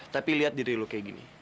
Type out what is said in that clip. tapi lihat diri lu kayak gini